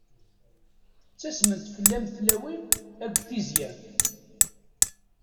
Ttasment fell-am tlawin akked tizya-m.